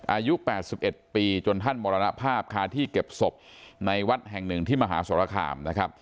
อายุ๘๑ปีจนท่านมรณภาพคาที่เก็บศพในวัดแห่งหนึ่งที่มหาสรคามนะครับ